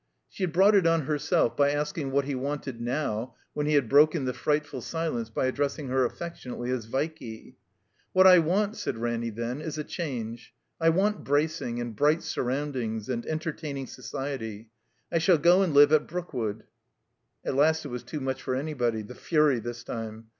She had brought it on herself by asking what he wanted now when he had broken the frightful si lence by addressing her affectionately as "Vikey." "What I want," said Ranny then, "is a change. I want bracing; and bright surrotmdings, and enter taining society. I shall go and live at Brookwood." At last it was too much for anybody (the fury, this time).